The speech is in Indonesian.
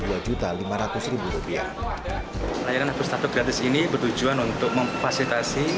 layanan hapus tato gratis ini bertujuan untuk memfasilitasi